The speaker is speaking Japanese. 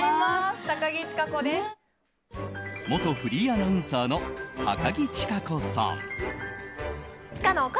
元フリーアナウンサーの高樹千佳子さん。